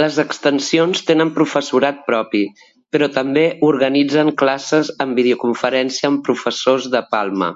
Les extensions tenen professorat propi, però també organitzen classes amb videoconferència amb professors de Palma.